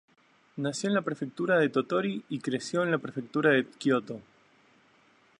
Nació en la prefectura de Tottori y creció en la prefectura de Kioto.